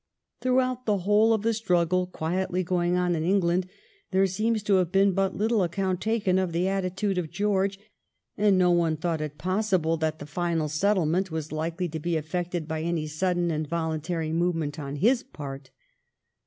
Throughout the whole of the struggle quietly going on in England there seems to have been but little account taken of the attitude of George, and no one thought it possible that the final BB 2 372 THE KEIGN OF QUEEN ANNE. ch. xxxix. settlement was likely to be affected by any sudden and voluntary movement on his part.